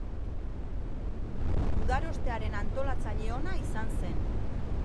Gudarostearen antolatzaile ona izan zen.